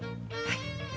はい。